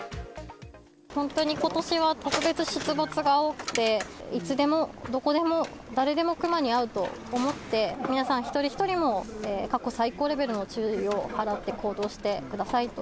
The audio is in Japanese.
本当にことしは特別、出没が多くて、いつでも、どこでも、誰でもクマに会うと思って、皆さん一人一人も過去最高レベルの注意を払って行動してくださいと。